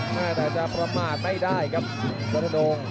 น่าจะประมาทไม่ได้ครับเฮาโดง